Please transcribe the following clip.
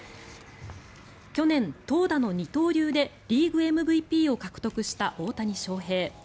去年、投打の二刀流でリーグＭＶＰを獲得した大谷翔平。